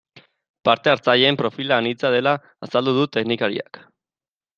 Parte hartzaileen profila anitza dela azaldu du teknikariak.